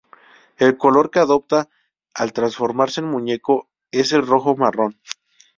El color que adopta al transformarse en muñeco es el rojo marrón.